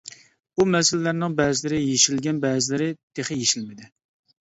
بۇ مەسىلىلەرنىڭ بەزىلىرى يېشىلگەن بەزىلىرى تېخى يېشىلمىدى.